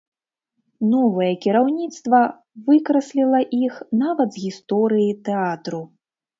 Новае кіраўніцтва выкрасліла іх нават з гісторыі тэатру.